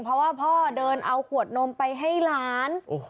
เพราะว่าพ่อเดินเอาขวดนมไปให้หลาน